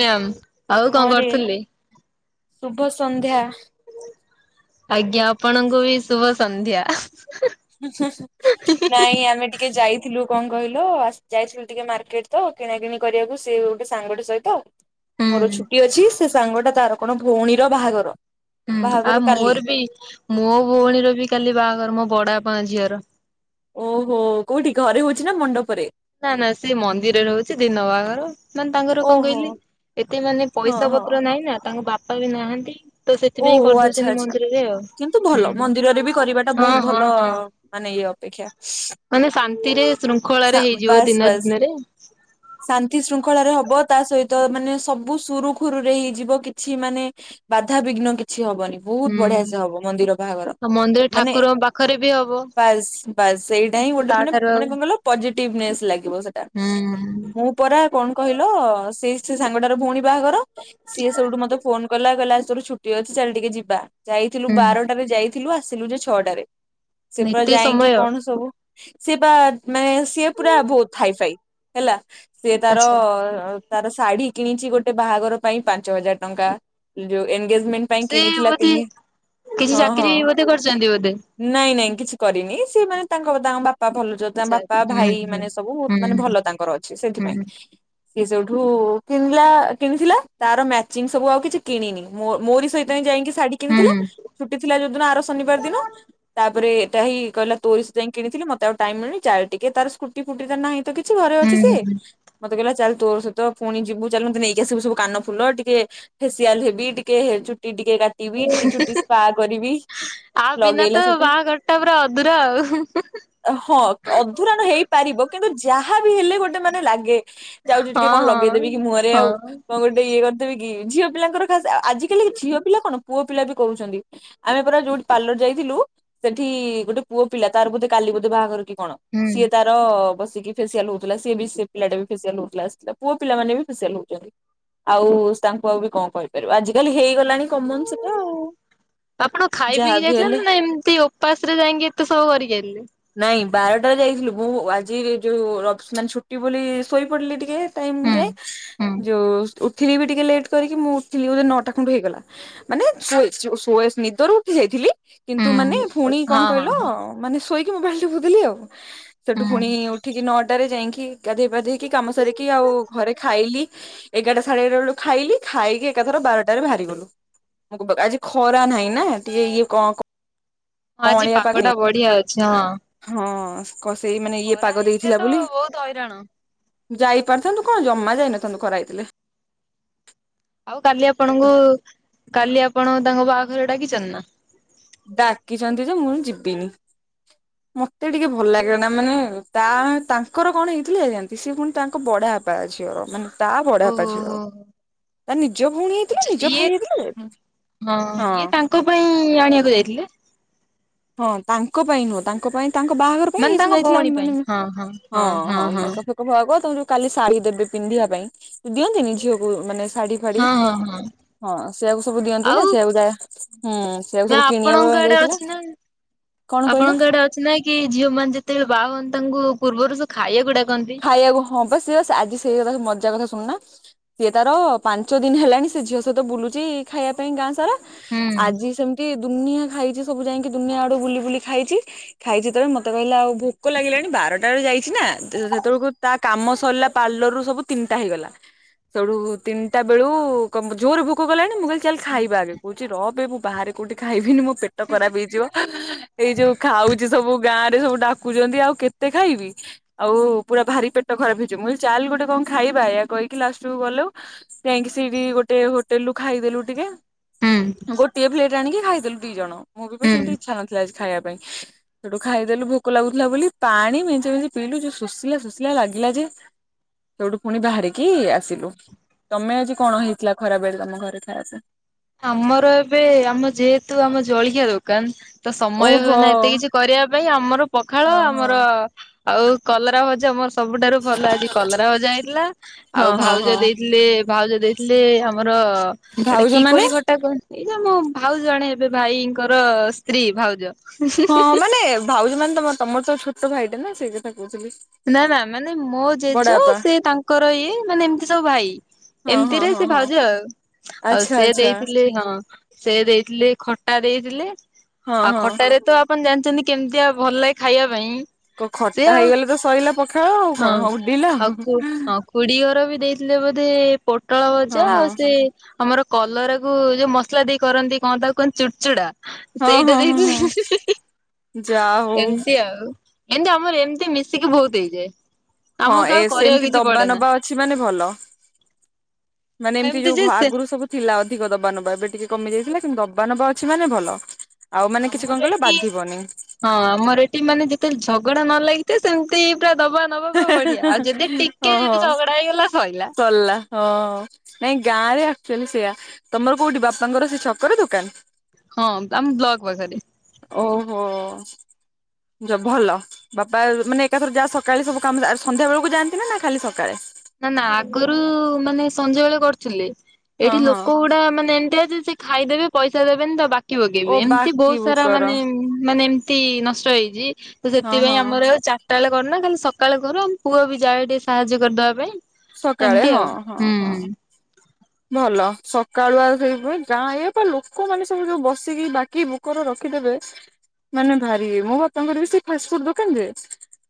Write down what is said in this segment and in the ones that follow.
Ma'am ଆଉ କଣ ହଁ ରେ କରୁଥିଲି? ଶୁଭ ସନ୍ଧ୍ୟା। ଆଜ୍ଞା ଆପଣଙ୍କୁ ବି ଶୁଭସନ୍ଧ୍ୟା। ନାଇଁ ଆମେ ଟିକେ ଯାଇଥିଲୁ କଣ କହିଲ ଆସ୍ ଯାଇଥିଲୁ ଟିକେ ମାର୍କେଟ୍ ତ କିଣା କିିଣି କରିବାକୁ ସିଏ ଗୋଟେ ସାଙ୍ଗଟେ ସହିତ ହୁଁ। ମୋର ଛୁଟି ଅଛି, ସେ ସାଙ୍ଗ ଟା ତାର କଣ ଭଉଣୀର ବାହାଘର। ହୁଁ ବାହାଘର ଆଉ କାଲି ମୋର ବି ମୋ ଭଉଣୀର ବି କାଲି ବାହାଘର ମୋ ବଡ ବାପାଙ୍କ ଝିଅର। ଓହୋ କୋଉଠି ଘରେ ହଉଛି ନା ମଣ୍ଡପରେ? ନା ନା ସେ ମନ୍ଦିରରେ ହହୁଛି ଦିନ ବାଘର। ମାନେ ତାଙ୍କର କଣ ଓହୋ କହିଲେ, ଏତେ ମାନେ ହଁ ପଇସା ହଁ ପତ୍ର ନାହିଁ ନା ତାଙ୍କ ବାପା ବି ନାହାନ୍ତି। ତ ସେଥିପାଇଁ ଓହୋ ଆଚ୍ଛା କରିଦଉଛନ୍ତି ଆଛା ମନ୍ଦିରରେ ଆଉ। କିନ୍ତୁ ହୁଁ ଭଲ, ମନ୍ଦିରରେ ବି କରିବାଟା ହଁ ବହୁତ ହଁ ଭଲ ହଁ। ମାନେ ଇଏ ଅପେକ୍ଷା। ରାତିରେ ଶୃଙ୍ଖଳାରେ ହେଇଛି। ବାସ୍ ବାସ୍ ଶାନ୍ତି ଶୃଙ୍ଖଳା ହବ ତା ସହିତ ମାନେ ସବୁ ସୁରୁଖୁରୁରେ ହେଇଯିବ, କିଛି ମାନେ ବାଧାବିଘ୍ନ କିଛି ହବନି ବହୁତ ବଢିଆ ହୁଁ। ସେ ହବ ମନ୍ଦିର ବାହାଘର। ଆଉ ମନ୍ଦିର ମାନେ ଠାକୁରଙ୍କ ପାଖରେ ବି ହବ ବାସ୍ ବାସ୍ ସେଇଟା ହିଁ ତ ଗୋଟେ ମାନେ ତାଠାରୁ ଆଉ ମାନେ କଣ କହିଲ ସେଟା ହୁଁ ମୁଁ ପରା କଣ କହିଲ ସେଇ ସେ ସାଙ୍ଗଟାର ଭଉଣୀ ବାହାଘର ସିଏ ସବୁଠୁ ମତେ ଫୋନ କଲା ଲା ଛୁଟି ଅଛି ଚାଲେ ଟିକେ ଯିବା ଯାଇଥିଲୁ ହୁଁ। ବାରଟାରେ ଯାଇ ଥିଲୁ ଆସିଲୁ ଯେ ଛଅଟାରେ। ସେପରା ନୀତି ଯାଇକି ସମୟ କଣ ସବୁ ସେ, ବା ମାନେ ସିଏ ପୁରା ବହୁତ ହାଇ ଫାଇ ହେଲା। ସେ ତାର ଆଚ୍ଛା ତାର ଶାଢୀ କିଣିଛି ଗୋଟେ ବାହାଘର ପାଇଁ ପାଞ୍ଚ ହଜାର ଟଙ୍କା ଯୋଉ ଏନ୍ ଏନଗେଜମେଣ୍ଟ ପାଇଁ ସେ କିଣିଥିଲା ବୋଧେ ତିନି କିଛି ହଁ ହଁ ଚାକିରି ବୋଧେ କରିଛନ୍ତି ବୋଧେ। ନାଇଁ ନାଇଁ କିଛି। କରିନି ସେମାନୋନେ ତାଙ୍କ ତାଙ୍କ ବାପା ଭଲ। ତାଙ୍କ ଆଚ୍ଛା ବାପା ହୁଁ ଭାଇ ହୁଁ ମାନେ ସବୁ ହୁଁ ହୁଁ ମାନେ ଭଲ ତାଙ୍କର ଅଛି ହୁଁ ସେଥିପାଇଁ। ହୁଁ ସି ସୋଠୁ କିିଲା କିଣିଥିଲା ତାର ମ୍ୟାଚିଂ ସବୁ ଆଉ କିଛି କିଣିନି ମୋରି ସହିତ ଯାଇକି ଶାଢୀ କିଣିଥିଲା ହୁଁ ଛୁଟି ଥିଲା ଯୋଉଦିନ ଆର ଶନିବାର ଦିନ ତାପରେ ସେଟା ହିଁ କହିଲ ତୋରି ସେ ଯାଇଁ କିଣିଥିଲି ମତେ ଆଉ ଟାଇ ମିଳଣି ଚାର ଟିକେ ତାର ସ୍କୁଟି ଫୁଟି ତ ନାହି। ତ କିଛି ଘରେ ଅଛି ସ ହୁଁ ହୁଁ। ମତେ କହିଲା ଚାଲେ ତୋର ସହିତ ପୁଣି ଯିବୁ ଚାଲନ୍ତୁ ନେଇକି ଆସିବୁ ସବୁ କାନ ଫୁଲ ଟିକେ ଫେସିଆଲ ହେବି ଟିକେ ଟିକେ କାଟିବି ଟିକେ ଚୁଟି ସ୍ପା କରିବି ଆ ବିନା ଲଗେଇଲା ତ ସେଠୁ ବାହାଘର ଟା ପୁରା ଅଧୁରା ଆଉ ହଁ ହଁ। ଅଧୁରାଣ ହେଇପାରିବ କିନ୍ତୁ ଯାହା ବି ହେଲେ ଗୋଟେ ମାନେ ଲାଗେ ଯାଉଛି ଟିକେ କଣ ହଁ। ଲଗେଇଦେବି କି ମୁହଁରେ ହଁ ଆଉ କଣ ଗୋଟେ ଇଏ କରିଦେବି। କି ଝିଅ ପିଲାଙ୍କର ଖାଶ ଆଜିକାଲି ଝିଅ ପିଲା କଣ ପୁଅ ପିଲା ବି କରୁଛନ୍ତି। ଆମେ ପରା ଯୋଉ ପାର୍ଲର ଯାଇଥିଲୁ ସେଠି ଗୋଟେ ପୁଅ ପିଲା ତାର ବୋଧେ କାଲି ବୋଧେ ବାହାଘର କି କଣ ହୁଁ। ସିଏ ତାର ବସ ବସିକି ଫେସିଆଲ ହଉଥିଲା ସେ ବି ସେ ପିଲାଟା ଫେସିଆଲ ହଉଥିଲା ପୁଅ ପିଲା ମାନେ ବି ଫେସିଆଲ ହଉଛନ୍ତି ଆଉ ତାଙ୍କୁ ଆଉ କଣ କହିପାରିବା ଆଜିକାଲି ହେଇଗଲା। ଆପଣ ଖାଇ ପିଇକି ଯାହାବି ଯାଇଥିଲେ ହେଲେ ନାଇ ନା ଏମତି ଉପାସ ରେ ଯାଇକି ଏତେ ସବୁ କରିକି ଆଇଲେ। ବାର୍ ଯାଇଥିଲୁ ମୁଁ ଆଜି ଯୋଉ ଅପସନାଲ ଛୁଟି ବୋଲି ଶୋଇ ପଡିଲି ଟିକେ। ଟାଇମ ହୁଁ ଯାଏ ହୁଁ ଯୋଉ ଉଠିଲି ବି ଟିକେ ଲେଟ୍ କରିକି ମୁଁ। ଉଠିଲି ନଅ ଟା ଖଣ୍ଡେ ହେଇଗଲା। ମାନେ ଶୋ ଶୋଇ ନିଦରୁ ଉଠି ଯାଇଥିଲି। ହୁଁ କିନ୍ତୁ ମାନେ ପୁଣି କଣ ହଁ ହଁ ହଁ କହିଲ ହୁଁ। ମାନେ ଶୋଇ ମୋବାଇଲ ଦେଖୁଥିଲି ଆଉ। ସେଠୁ ହଁ ପୁଣି ଉଠିକି ନଅ ଟାରେ ଯାଇକି ଗାଧେଇ ପାଧେଇକି କାମ ସାରିକି ଆଉ ଘରେ ଖାଇଲି ଏଗାରଟା ସାଢେ ଏଗାରଟା ବେଳୁ ଖାଇଲି ଖାଇକି ଏକାଥର ବାରଟାରେ ବାହାରି ଗଲୁ ବ ଆଜି ଖରା ନାହିଁ ନା ଟିକେ ଇଏ କଣ କ ହଁ ଆଜି ପଗଟା ବଢିଆ ଅଛି। ହଁ। ହଁ। କଣ ସେଇ ମାନେ ଏଇ ଖରା ପାଗ ହେଇଥିଲେ ଦେଇଥିଲା ତ ବୋଲି। ବହୁତ ହଇରାଣ। ଯାଇପାରିଥାନ୍ତୁ କଣ ଜମା ଯାଇନଥାନ୍ତୁ ଖରା ହେଇଥିଲେ। ଆଉ କାଲି ଆପଣଙ୍କୁ କାଲି ଆ ଆପଣଙ୍କ ତାଙ୍କ ବାହାଘରେ ଡାକିଛନ୍ତି ନା। ଡାକିଛନ୍ତି ଯେ ମୁଁ ଯିବିନି ମତେ ଟିକେ ଭଲ ଲାଗେ ନା ମାନେ ତା ତାଙ୍କର କଣ ହେଇଥିଲେ ସିଏ ଜାଣନ୍ତି ପୁଣି ତାଙ୍କ ବଡବାପା ଝିଅର ମାନେ। ତା ବଡବାପା ଝିଅର ଓହୋ। ତା ନିଜ ଭଉଣୀ ହେଇଥିଲେ ଆଛା ନିଜ ଇଏ ଭାଇ ହେଇଥିଲେ ଯାଇଥାନ୍ତି ହଁ। ଥିଲେ। ହଁ ତାଙ୍କ ପାଇଁ ନୁହଁ ତାଙ୍କ ପାଇଁ ତାଙ୍କ ବାହାଘର ପାଇଁ ଏ ମାନେ ସବୁ ତାଙ୍କ ଯାଇଥିଲା ଭଉଣୀ ପାଇଁ ମାନେ ହଁ ହଁ ହଁ ମେକପ ଫେକପ ହେବାକୁ ତା ଯଉ କାଲି ଶାଢ଼ୀ ଦେବେ ପିନ୍ଧିବା ପାଇଁ ଦିଅନ୍ତିନି ଝିଅକୁ ମାନେ ଶାଢ଼ୀ ଫାଢ଼ୀ ହଁ ହଁ ହଁ ହଁ ସେଆକୁ ସବୁ ଦିଅନ୍ତି ଆଉ ନା ସେ ଗୁଡା ହୁଁ ସେଆକୁ ନା ସବୁ କିଣିବା ଆପଣଙ୍କ ପାଇଁ ଆଡେ ଅଛି ଯାଇଥିଲେ। ନା ଆପଣଙ୍କ ଆଡେ ଅଛି ନାଇ କି ଝିଅ ମାନେ ଯେତେବେଳେ ବାହା ହୁଅନ୍ତି ତାଙ୍କୁ ପୂର୍ବରୁ ଯୁ ଖାଇବା କୁ ଡାକ- ଖାଇବାକୁ ହଁ ବା ସେ ଆଜି ସେଇ କଥା ତା କଥା ଶୁଣୁନ ସିଏ ତାର ପାଞ୍ଚ ଦିନ ହେଲାଣି ସେ ଝିଅ ସହିତ ବୁଲୁଛି ଖାଇବା ପାଇଁ ଗାଁ ସାରା। ହୁଁ ଆଜି ସେମିତି ଦୁନିଆ ଖାଇଛି ସବୁ ଯାଇକି ଦୁନିଆ ଆଡୁ ବୁଲି ବୁଲି ଖାଇଛି ଖାଇଛି ଯେତେବେଳେ ମତେ କହିଲା ଆଉ ଭୋକ ଲାଗିଲାଣି ବାରଟା ବେଳେ ଯାଇଛି ନା ସେତେବେଳକୁ ତା କାମ ସରିଲା ପାର୍ଲର ରୁ ସବୁ ତିନିଟା ହେଇଗଲା ସୋଉଟୁ ତିନିଟା ବେଳୁ କ ଜୋରରେ ଭୋକ କଲାଣି ମୁଁ କହିଲି ଚାଲ୍ ହୁଁ ଖାଇବା ଆଗେ କହୁଛି ର ଏବେ ମୁଁ ବାହାରେ କୋଉଠି ଖାଇବିନି ମୋ ପେଟ ଖରାପ ହେଇଯିବ। ଏଇ ଯୋଉ ଖାଉଛି ସବୁ ଗାଁ ରେ ସବୁ ଡାକୁଛନ୍ତି ଆଉ କେତେ ଖାଇବି ଆଉ ପୁରା ଭାରି ପେଟ ଖରାପ ହେଇଯିବ ମୁଁ ଚାଲ ଗୋଟେ କଣ ଖାଇବା ଏୟା କହିକି ଲାଷ୍ଟକୁ ଗଲୁ ଯାଇକି ସେଇଠି ଗୋଟେ ହୋଟେଲ ରୁ ଖାଇଦେଲୁ ଟିକେ ହୁଁ ଗୋଟିଏ ପ୍ଲେଟ ଆଣିକି ଖାଇଦେଲୁ ଦିଇ ଜଣ। ମୋର ବି ହୁଁ। ସେମିତି ଇଚ୍ଛା ନଥିଲା ଆଜି ଖାଇବା ହେଟୁ ଖାଇଦେଲୁ ଭୋକ ଲାଗୁଥିଲା ବୋଲି ପାଣି ମେଞ୍ଚେ ମେଞ୍ଚେ ପିଇଲୁ ଯେ ଶୋଷ ସୋଷିଲ ଶୋଷିଲା ଲାଗିଲା ଯେ ସେଇଠୁ ଫୁଣି ବାହାରିକି ଆସିଲୁ ତମେ ଆଜି କଣ ହେଇଥିଲା ଖରା ବେଳେ ତମ ଘରେ ଖାଇବାକୁ? ଆମର କାନ୍ ତ ସମୟ ହୁଏ ଓହୋ ନା ଏତେ କିଛି କରିବା ଭାଇ ଆମର ପଖାଳ ହଁ ହଁ। ଆମର ଆଉ କଲରା ଭଜା ମସ୍ତ୍ ସବୁଠାରୁ ଭଲ ଆଜି କଲରା ଭଜା ହେଇଥିଲା ଆଉ ହଁ ହଁ ଭାଉଜ ହଁ ଦେଇଥିଲେ ଭାଉଜ ଦେଇଥିଲେ ଆମର ଆମର ଏଇଟା ଭାଉଜ କି କି ମାନେ? କୋଳି ଖଟା କ ଏଇ ଯୋଉ ମୋ ଭାଉଜ ଜଣେ ହେବେ ଭାଇଙ୍କର ସ୍ତ୍ରୀ ଭାଉଜ ହଁ ମାନେ ଭାଉଜ ମାନେ ତମ ତମର ତ ଛୋଟ ଭାଇଟେ ନା ସେ ନା ନା ମାନେ ମୋ ବଡ ଜେଜ ବାପା ସେ ତାଙ୍କର ଇଏ ମାନେ ଏମିତି ସବୁ ଭାଇ ହଁ ହଁ ଏମିତିରେ ହଁ ସେ ହଁ। ଭାଉଜ ଆଉ ଆଉ ଆଚ୍ଛା ସେ ଆଚ୍ଛା ଦେଇଥିଲେ ହଁ। ସେ ଦେଇଥିଲେ ଖଟା ଦେଇଥିଲେ। ହଁ ଆଉ ହଁ ଖଟାରେ ତ ଆପଣ ଜାଣିଛନ୍ତି କେମିତିଆ ଭଲ ଲାଗେ ଖାଇବା ପାଇଁ କ ସେ ଖଟା ଆଉ ହେଇଗଲେ ତ ସଇଲା ପଖାଳ ଆଉ କଣ ହଉ ଉଡିଲା ଆଉ ଦିଅର ବି ଦେଇଥିଲେ ବୋଧେ ପୋଟଳ ଭଜା ଆଉ ସେ ଆମର କଲରା କୁ ଯୋଉ ମସଲା ଦେଇ କରନ୍ତି କଣ ତାକୁ କୁହନ୍ତି ଚୁଡ଼ଚୁଡା ହଁ ସେଇଟା ହଁ ହଁ ହଁ ହଁ ଦେଇଥିଲି ଯା ହଉ ଏମତି ଆଉ। ଏମତି ଆମର ଏମିତି ମିଶି ଏତିକି ବହୁତ ହେଇଯାଏ। ହଁ ଆମକୁ ଆଉ ଏ କରିବାକୁ ସେମତି କିଛି ଦବା ପଡେ ନା ନବା ଅଛି ମାନେ ଭଲ ମାନେ ଏମିତି ଯେ ଯୋଉ ସେ ଆଗରୁ ସବୁ ଥିଲା। ଅଧିକ ଦବା ନବା ଏବେ ଟିକେ କମିଯାଇଥିଲା କିନ୍ତୁ ଦବା ନବା ଅଛି ମାନେ ଭଲ। ଆଉ ମାନେ କିଛି କଣ ଆମର କହିଲ ଏଠି ବାଧିବନି ହଁ ଆମର ଏଠି ମାନେ ଯେତେବେଳେ ଝଗଡା ନ ଲାଗିଥାଏ ସେମିତି ତେ ହଁ ‌ ଯଦି ହଁ ଝଗଡା ହେଇଗଲା ସଇଲା। ସରିଲା ହ ନାଇଁ ଗାଁରେ ତାହେଲେ ସେଇୟା ତମର କୋଉଠି ବାପାଙ୍କର ସେ ଛକରେ ଦୋକାନ? ହଁ ଆମ ବ୍ଲଗ ପାଖରେ। ଓହୋ ଯା ଭଲ ବାପା ମାନେ ଏକାଥର ଯାହା ସ ସକାଳେ ସବୁ କାମ ସଂଧ୍ୟାବେଳକୁ ଯାଆନ୍ତି ନା ଖାଲି ସକାଳେ? ନା ନା ଆଗରୁ ମାନେ ସଞ୍ଜବେେଳେ କରୁଥିଲେ। ହଁ ଏଠି ହଁ। ଲୋକ ଗୁଡା ମାନେ ଏମତିଆ ଯେ ଖାଇଦେବେ ପଇସା ଦେବେନି ତ ବାକି ଓ ମଗେଇବି ଏମିତି ବାକି ବହୁତ ସାରା ବୁକର। ମାନେ ମାନେ ତି ନଷ୍ଟ ହେଇଛି। ତ ହଁ ସେଥିପାଇଁ ହଁ। ଆମର ଆଉ ଚାରିଟା ବେଳେ କରୁନା ଖାଲି ସକାଳେ କରୁ ପୁଅ ବି ଯାଏ ଟିକେ ସାହାଯ୍ୟ କରିଦବା ପାଇଁ। ସକାଳେ ସେମିତି ହଁ ଆଉ ହଁ ହୁଁ ହଁ ହୁଁ। ଭଲ। ସକାଳୁଆ ସେଇ ହୁଏ ଗାଁ ଇଏ ବା ଲୋକମାନେ ସବୁ ଯୋଉ ବସିକି ବାକି ବୁକର ରଖିଥିବେ ମାନେ ଭାରି ଇଏ ମୋ ବାପାଙ୍କର ବି ସେ ଫାଷ୍ଟ ଫୁଡ ଦୋକାନ ଯେ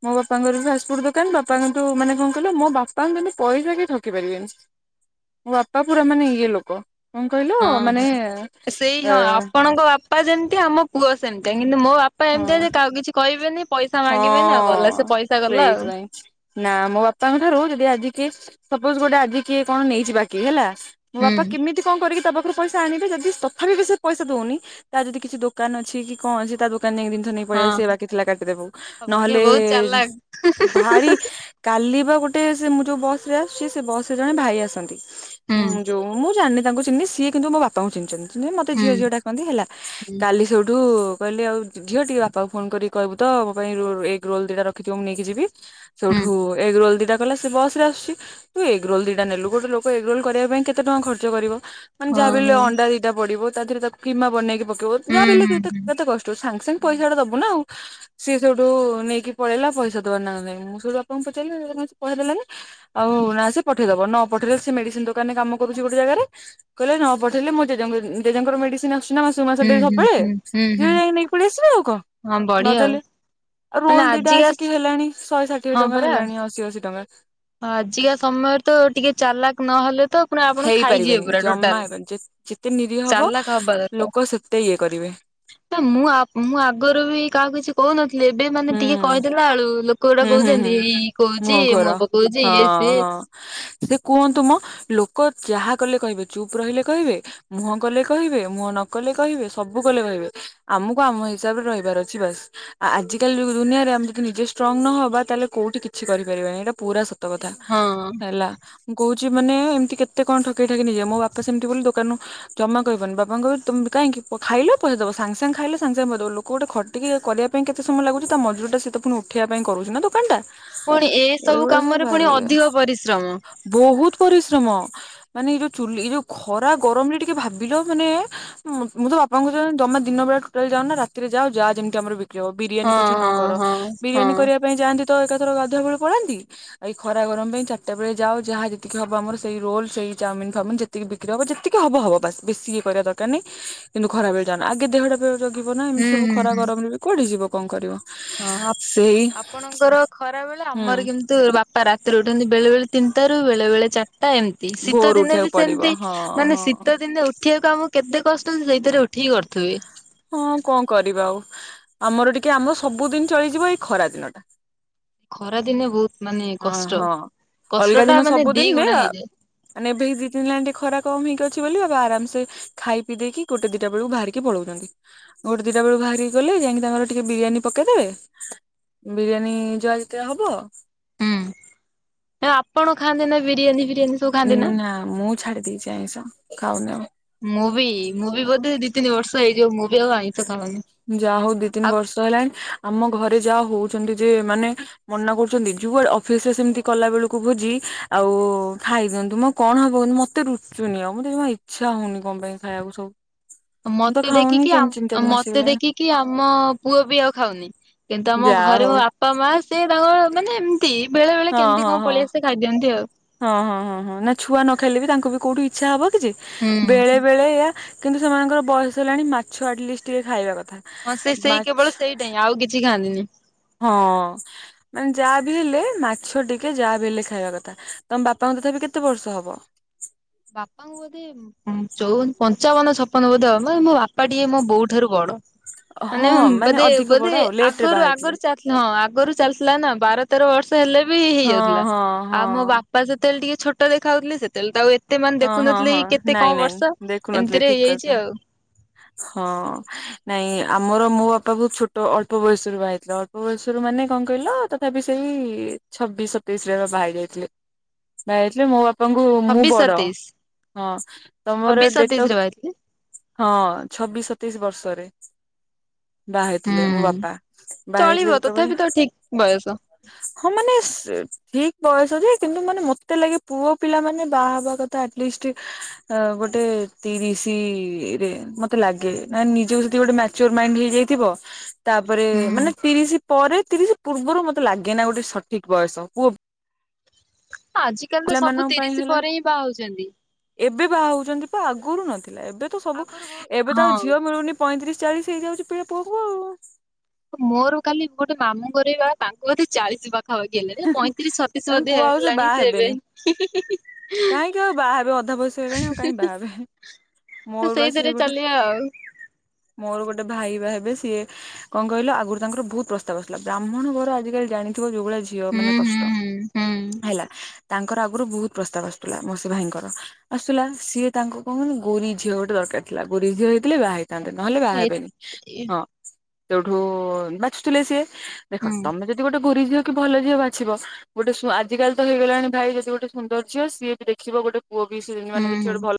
ମୋ ବାପାଙ୍କର ବି ଫାଷ୍ଟଫୁଡ ଦୋକାନ ବାପା କିନ୍ତୁ ମାନେ କଣ କହିଲ ମୋ ବାପା ବାପାଙ୍କୁ କିନ୍ତୁ ପଇସା କେହି ଠକି ପାରିବେନି ମୋ ବାପା ପୁରା ମାନେ ଇଏ ଲୋକ। କଣ କହିଲ ହଁ ମାନେ ହଁ ସେଇ ଅ ହଁ ଆପଣଙ୍କ ବାପା ଯେମିତି ଆମ ପୁଅ ସେମିତାଇ କିନ୍ତୁ ମୋ ବାପା ଏମିତିଆ ହଁ ଯେ କାହାକୁ କିଛି କହିବେ [inaudible] ହଁ ଆଉ ସେଇଥିପାଇଁ ନା ମୋ ବାପାଙ୍କ ଠାରୁ ଯଦି ଆ ଇଛି ସପୋଜ ଗୋଟେ ଆଜି କିଏ କଣ ନେଇଛି ବାକି ହେଲା। ମୋ ହୁଁ ବାପା କେମିତି କଣ କରିକି ତାପ ପଇସା ଆଣିବେ ଯଦି ତଥାପି ବି ସେ ପଇସା ଦଉନି ତା ଯଦି କିଛି ଦୋକାନ ଅଛି କି କଣ ଅଛି ତା ଦୋ ତାରନାଗି ଜିନିଷ ନେଇ ପଳେଇ ଆସିଵୁ ବାକିଥିଲେ କାଟିଦବୁ। ହ ବଢିଆ ବହୁତ ଭାରି ଚାଲାକ୍। କାଲି ବା ଗୋଟେ ସେ ମୁଁ ଯୋଉ ବସ ରେ ଆସୁଛି ସେ ବସ ରେ ଜଣେ ଭାଇ ଆସନ୍ତି। ହୁଁ ଯୋଉ ମୁଁ ଜାଣିନି। ମୁଁ ତାଙ୍କୁ ଚିହ୍ନି ନି ସିଏ କିନ୍ତୁ ମୋ ବାପାଙ୍କୁ ଚିହ୍ନିଛନ୍ତି। ମତେ ହୁଁ ଝିଅ ଝିଅ ଡାକନ୍ତି ହେଲା ହୁଁ କାଲି ସେଠୁ କହିଲି ଆଉ ଝିଅ ଟିକେ ବାପାକୁ ଫୋନ କରିକି କହିବୁ ତ? ଏଗ ରୋଲ ଦିଟା ରଖିଥିବ ମୁଁ ନେଇକି ଯିବି। ହୁଁ ସେଉଠୁ ଏଗ ରୋଲ ଦିଟା। ଗଲା ସିଏ ବସ୍ ରେ ଆସୁଛି, ତୁ ଏଗ୍ ରୋଲ୍ ଦିଟା ନେଲୁ, ଗୋଟେ ଲୋକ ଏଗ୍ ରୋଲ୍ କରିବା ପାଇଁ କେତେ ଟଙ୍କା ଖର୍ଚ୍ଚ କରିବ। ମାନେ ଯାହା ହଁ ବି ହେଲେ ହଉ ଅଣ୍ଡା ଦିଟା ପଡିବ। ତା ଦିହରେ ତାକୁ କିମା ବନେଇକି ପ ତୋର ଯାର ହେଲେ ହୁଁ କେତେ ହୁଁ କେତେ କଷ୍ଟ ସାଙ୍ଗ ସାଙ୍ଗ ହୁଁ। ପଇସାଟା ଦବୁ ନା ଆଉ। ସିଏ ସେଇଠୁ ନେଇକି ପଳେଇଲା ପଇସା ଦବା ନାଁ ନାହିଁ, ମୁଁ ସେଇଠୁ ବାପାଙ୍କୁ ପଚାରିଲି କାଇଁ ସେ ପଇସା ଦେଲାନି, ଆଉ ନା ସେ ପଠେଇଦବ, ନ ପଠେଇଲେ ସେ ମେଡିସିନ୍ ଦୋକାନରେ କାମ କରୁଛି ଗୋଟେ ଜାଗାରେ, କହିଲେ ନ ପଠେଇଲେ ମୋ ଜେଜେଙ୍କ ଉଁ, ଉଁ, ଜେଜେଙ୍କର ମେଡିସିନ୍ ଆ ଆସେନା ମାସକୁ ମାସ ହୁଁ ଦେଇ ହୁଁ ସବବେଳେ, ହୁଁ ହୁଁ ଝିଅ ହୁଁ ଯାଇକି ନେଇକି ପଳି ଆସିବ ଆଉ କଣ ହଁ ବଢିଆ ଆଉ। ନଦେଲେ ଆଉ ମାନେ ରୋଲ୍ ଦିଟା ଆଜିକା ଆସିକି ହେଲାଣି ଶହେ ଷାଠିଏ ହଁ ଟଙ୍କା ପରା ହେଲାଣି ଅଶୀ ଅଶୀ ଟଙ୍କା। ଆଜିକା ସମୟରେ ତ ଟିକେ ଚାଲାକ ନହେଲେ ତ ପୁଣି ଆପଣ ଖାଇଯିବେ ହେଇପାରିବେନି ପୁରା ଜମା ଟୋଟାଲ, ହେବନି ଯେତେ ନିରୀହ ହବ ଚାଲାକ ହବା ଦରକାର, ଲୋକ ସେତେ ଇଏ କରିବେ ନା ମୁଁ ମୁଁ ଆଗରୁ ବି କାହାକୁ କିଛି କହୁନଥିଲି, ଏବ ଏ ମାନେ ହୁଁ ଟିକେ କହି ଦେଲାଳୁ ଲୋ କୋଉଟା ହୁଁ ହୁଁ କହୁଚନ୍ତି ହୁଁ। ଏଇ କହୁଚି ମୁହଁ ଘୋର ମୋ ପ ହଁ, ହଁ ସେ କୁହନ୍ତୁ ମୋ ଲୋ କ -ଯାହା କଲେ କହିବେ ଚୁପ୍ ରହିଲେ କହିବେ, ମୁହଁ କଲେ କହିବେ, ମୁହଁ ନ କଲେ କହିବେ, ସବୁ କଲେ କହିବେ, ଆମକୁ ଆମ ହିସାବରେ ରହିବାର ଅଛି ବାସ୍, ଆଜିକାଲି ଯୋଉ ଦୁନିଆରେ ଆମେ ଯଦି ନିଜେ ଷ୍ଟ୍ରଙ୍ଗ ନ ହବା ତାହେଲେ କୋଉଠି କିଛି କରିପାରିବା ନାହିିଁ। ଏଇଟା ପୁରା ସତ କଥା ହଁ। ହେଲା ମୁଁ କହୁ ଚି-ମାନେ ଏମିତି କେତେ କଣ ଠକେଇ ଠକି ନେଇଯିବେ, ମୋ ବାପା ସେମିତି ବୋଲି ଦୋକାନରୁ ଜମା କହିବନି ବାପାଙ୍କୁ କହିବ ତୋମେ କାଇଁକି ପ-ଖାଇଲ ପଇସା ଦବ, ସାଙ୍ଗ ସାଙ୍ଗ ଖାଇଲ ସାଙ୍ଗେ ସାଙ୍ଗ ପଇସା ଦବ ଲୋକ ଗୋଟେ ଖଟିକି ଇଏ କରିବା ପାଇଁ କେତେ ସମୟ ଲାଗୁଚି ତା ମଜୁରୀଟା ସିଏ ତ ପୁଣି ଉଠେଇବା ପାଇଁ କରୁଚୁ ନା ଦୋକାନଟା। ପୁଣି ଏସବୁ ଏଇଗୁଡା ସବୁ କାମରେ ଭାରି ପୁଣି ଇଏ ଅଧିକ ପରିଶ୍ରମ। ବହୁତ ପରିଶ୍ରମ ମାନେ ଏଇ ଯୋଉ ଚୁଲି ଏଇ ଯୋଉ ଖରା ଗରମରେ ଟିକେ ଭାବ ବିଲ ମାନେ ମୁଁ ମୁଁ ତ ବାପାଙ୍କ [unintelligible] ଜମା ଦିନ ବେଳା ଟୋଟାଲ ଯାଅନି ନା ରାତିରେ ଯା ଯା ଯେମିତି ଆମର ବି ଚ-ବିରିୟାନୀ ହଁ ପଛେ ନ ହଁ କର। ହଁ ହଁ। ବିରିୟାନୀ କରିବା ପାଇଁ ଯାଆନ୍ତି ତ ତ ଏକାଥର ଗାଧୁଆ ବେଳେ ପଳାନ୍ତି ଏଇ ଖରା ଗରମ ପାଇଁ ଚାରଟା ବେଳେ ଯାାଉ ଯାହା ଯେତିକି ହବ ଆମର ସେଇ ରୋଲ୍ ସେଇ ଚାଉମିନ୍ ଫାଉମିନ ଯେତିକି ବିକ୍ରି ହବ ଯେତିକି ହବ ହବ ବାସ୍ ବେଶୀ ଇଏ କରିବା ଦରକାର ନାହିଁ କିନ୍ତୁ ଖରା ବେଳେ ଯାଅନା ଆଗେ ଦେହଟା ପ ଜଗିବ ନା ହୁଁ ଏମିତି ସବୁ ହୁଁ ଖରା ହୁଁ ଗରମରେ ବି କୁଆଡେ ଯିବ। କଣ କରିବ? ହଁ ସେଇ ଆପ୍ ଆପଣଙ୍କର ଖରା ବେଳେ, ହୁଁ। ଆମର କେମିତି ବାପା ରାତିରେ ଉଠନ୍ତି ବେଳେ ବେଳେ ତିନତାରୁ ବେଳେ ବେଳେ ତ ଏମତି ଶୀତ ଭୋରୁ ଦିନେ ବି ଉଠିବାକୁ ପଡିବ ସେମତି ହଁ ମାନେ ହଁ ଶୀତ ଦିନେ ଉଠିବାକୁ ଆମ କେତେ କଷ୍ଟରେ ସେଇଥିରେ ଉଠିକି କରିଥୁବି। ହଁ କଣ କରିବା ଆଉ ଆମର ଟିକେ ଆମ ସବୁଦିନ ଚଳିଯିବ ଏଇ ଖରା ଦିନ ଟା ଖରା ଦିନେ ବହୁତ ମାନେ ଅ କଷ୍ଟ ହଁ କଷ୍ଟ ଅଲଗା ଟା ଦିନ ମାନେ ଦି ସବୁଦିନରେ ଗୁଣା ଅ ହେଇଯାଏ। ମାନେ ଏବେ ଦି ତିନ ହେଲାଣି ଟିକେ ଖରା କମ ହେଇକି ଅଛି ବୋଲି ଆରାମସେ ଖାଇ ପିଇ ଦେଇକି ଗୋଟେ ଦିଟା ବେଳକୁ ବାହାରିକି ପଳଉଛନ୍ତି, ଗୋଟେ ଦିଟା ବେଳକୁ ବାହାରିକି ଗଲେ ଯାଇକି ତାଙ୍କର ଟିକେ ବିରିୟାନୀ ପକେଇଦେବେ ବିରିୟାନୀ ଯାହା ଯେତେ ହବ ହୁଁ ଆପଣ ଖାନ୍ତେ ନା ବିରିୟାନୀ ବି ଉଁ ନା ମୁଁ ଛାଡି ଦେଇେଇଛି। ଆଇଁସ ଖାଉନି ଆଉ। ସେଇ ଯୋଉ ମୁଁ ବି ଆଉ ଆାଇଁସ ଯା ହଉ ଦି ତିନି ବର୍ଷ ହେଲାଣି ଆମ ଘରେ ଯାହା ହଉ ଛନ୍ତି ଯେ ମାନେ ମନା କରୁଛନ୍ତି। ଯୁଆଡେ ଅଫିସ ରେ ସେମିତି କଲା ବେଳକୁ ଭୋଜି ଆଉ ଖାଇ ଦିଅନ୍ତୁ ମ କଣ ହବ ମତେ ରୁଚୁନି ଆଉ ମତେ ଯମା ଇଛା ହଉନି କଣ ପାଇଁ ଖାଇବାକୁ ସବୁ। ମୁଁ ତ ମତେ ଖାଉନି ଦେଖିକି ଆଉ ତିନି ମ ଚାରି ମାସ ମତେ ହେଇଗଲାଣି ଦେଖିକି ଆମ ପୁଅ ବି ଆଉ ଖାଉନି କିନ୍ତୁ ଆମ ଯାହା ଘରେ ମୋ ହଉ ବାପା ମା ସେ ତାଙ୍କର ମାନେ ଏମିତି ବେଳେ ବେଳେ ହଁ କେମିତି ହଁ କଣ ହଁ ପଳେଇଆସେ ଖାଇ ଦିଅନ୍ତି ଆଉ। ହଁ ହଁ ହଁ ହଁ ନା ଛୁଆ ନ ଖାଇଲେ ବି ତାଙ୍କୁ ବି କୋଉଠି ଇଚ୍ଛା ହବ। ଯେ ହୁଁ ବେଳେ ବେଳେ ଏୟା କିନ୍ତୁ ସେମାନଙ୍କର ବୟସ ହେଲାଣି ମାଛ ଆଟଲିଷ୍ଟ ଟିକେ ଖାଇବା କଥା। ହଁ ସେ ସେଇ ମାଛ କେବଳ ସେଇଟା ହଁ ଆଉ କିଛି ଖାଆନ୍ତିନି। ହଁ ମାନେ ଯାହା ବି ହେଲେ ମାଛ ଟିକେ ଯାହା ବି ହେଲେ ଖାଇବା କଥା ତମ ବାପାଙ୍କ ତଥାପି କେତେ ବର୍ଷ ହବ? ହୁଁ ଚଉବନ୍ ପଞ୍ଚାବନ ଛପନ ବୋଧେ ହବ ମୋ ବାପା ଟିକେ ମୋ ବୋଉଠାରୁ ବଡ। ମାନେ ହଁ ବୋଧେ ଅଧିକ ବୋଧେ ବଡ ଆଉ ଲେଟ ରେ ଆଗରୁ ବାହା ହେଇଥିଲେ। ଆଗରୁ ଚାଲିଥିଲା ହଁ ଆଗରୁ ଚାଲିଥିଲା ନା ବାର ତେର ବର୍ ର୍ଷ ହେଲେ ବି ହଁ ହେଇଯାଉଥିଲା ହଁ ଆଉ ହଁ ମୋ ବାପା ସେତେବେଳେ ଟିକେ ଛୋଟ ଦେଖାଉଥିଲେ ସେତବେଳେ ତ ଆଉ ଏ ସେମାନ‌୍ ହଁ ହଁ ଦେଖୁନଥିଲେ ହଁ କେତେ ନାଇଁ କଣ ନାଇଁ ବର୍ଷ ଦେଖୁନଥିଲି ଏମିତିରେ ଠିକ ହେଇଯାଇଛି କଥା। ଆଉ। ହଁ ନାଇଁ ଆମର ମୋ ବାପା ବହୁ ଛୋଟ ଅଳ୍ପ ବୟସରୁ ବାହାଇଥିଲା ଅଳ୍ପ ବୟସରେ ମାନେ କଣ କହିଲ ତଥାପି ସେଇ ଛବିଶ ସତେଇଶ ରେ ବାହା ଯାଇଥିଲେ ବାହା ଯାଇଥିଲେ ମୋ ବାପା ବାପାଙ୍କୁୁ ମୁଁ ଛବିଶ ବଡ ସତେଇଶ ହଁ ତମର ଛବିଶ ସତେଇଶ ରେ ଡେଟଫ ବାହାରିଥିଲି। ହଁ ଛବିଶ ସତେଇଶ ବର୍ଷ [inaudible] ବାହା ହେଇଥିଲେ ମୋ ହୁଁ ବାପା ଚଳିବ ବାହାହେଇଥିଲେ ଯେତେବେଳେ ତଥାପି ତ ଠିକ ବୟସ। ହଁ ମାନେ ସ୍ ଠିକ ବୟସ ଯେ କିନ୍ତୁ ମାନେ ମତେ ଲାଗେ ପୁଅ ପିଲା ମାନେ ବାହା ହେବା କଥା ଥା ଆଟଲିଷ୍ଟ୍ ଅ ଗୋଟେ ତିରିଶିରେ ମତେ ଲାଗେ ନା ନିଜକୁ ଯଦି ଗୋଟେ ମାଚ୍ୟୋର୍ ମାଇନ୍ଡ ହେଇଯାଇଥିବ ତାପରେ ହୁଁ ମାନେ ତିରିଶି ପରେ ତିରିଶି ପୂର୍ବରୁ ମତେ ଲାଗେ ନା ଗୋଟେ ସଠିକ ବୟସ ପୁଅ [inaudible] ଆଜିକାଲି ତ ସବୁ ପିଲାମାନଙ୍କ ପାଇଁ ତିରିଶି ପରେ ହିଁ ବାହାହଉଛନ୍ତି। ବାହଉ ଚନ୍ତି ଆଗରୁ ନଥିଲା ଏବେ ତ ସବୁ ଆଗରୁ ବହୁତ ଏବେ ତ ଆଉ ହଁ। ଝିଅ ମିଳୁନି ପଇଁତିରିଶି ଚାଳିଶି ହେଇଯାଉଛି ପିିଲା ପୁଅକୁ ଆଉ। ମୋର କାଲି ଗୋଟେ ମାମୁଁ ଗରିବା ତାଙ୍କୁ ଏଧେ ଚାଳିଶି ପାଖ ହଉଗେଲେ ପଇଁତିରିଶ ଛତିଶି ତାଙ୍କୁ ବଧେ କୁହ ଆଉ ହେଲାଣି ବାହା ସେ ଏବେ ହେବେନି କାହିଁକି ଆଉ ବାହା ହେବେ ଅଧା ବୟସ ହେଲାଣି ଆଉ କାହିଁ ବାହା ହେବେ ମୋର [unintelligible] ବା ସେ ସେଇଥିରେ ଗୋଟେ ଚାଲିବା ଆଉ। ମୋର ଗୋଟେ ଭାଇ ବା ହେବେ ସିଏ କଣ କହିଲ ଆଗରୁ ତାଙ୍କର ବୋହୁତ୍ ପ୍ରସ୍ତାବ ଆସିଥିଲା, ବ୍ରାହ୍ମଣ ଘର ଆଜିକାଲି ଜାଣିଥିବ ଯୋଉ ଭଳି ଝିଅ ମାନେ ହୁଁ ହୁଁ କଷ୍ଟ ହୁଁ [inaudible] ହେଲା। ତାଙ୍କର ଆଗରୁ ବୋହୁତ ପ୍ରସ୍ତାବ ଆସୁଥିଲା, ମୋସୀ ଭାଇଙ୍କର ଆସୁଥିଲା ସିଏ ତାଙ୍କ କଣ ଗୋରୀ ଝିଅ ଗୋଟେ ଦରକାର ଥିଲା, ଗୋର ଝିଅ ହେଇଥିଲେ ବାହା ହେଇଥା ଥାନ୍ତେ ନହେଲେ ବାହା ହୁଁ ଏ ହେବେନି, ହଁ। ସେଠୁ ବାଛୁଥିଲେ ସିଏ। ଦେଖ ହୁଁ ତମେ ଯଦି ଗୋଟେ ଗୁରି ଝିଅ କି ଭଲ ଝିଅ ବାଛିବ, ଗୋଟେ ସ୍ଵ ଆଜିକାଲି ତ ହେଇଗଲାଣି ଭାଇ ଯଦି ଗୋଟେ ସୁନ୍ଦର ଝିଅ ସିଏ ବି ଦେଖିବ ଗୋଟେ ପୁଅ ବି ସେ ମାନେ ହୁଁ କିଛି ହୁଁ। ଗୋଟେ ଭଲ